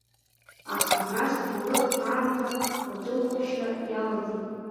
Аха, нас аҭоурых аамҭа аӡыхәашьра иалаӡит.